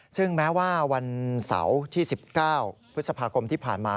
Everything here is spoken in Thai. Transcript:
ซึ่งแม้ว่าวันเสาร์ที่๑๙พฤษภาคมที่ผ่านมา